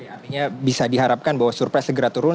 artinya bisa diharapkan bahwa surprise segera turun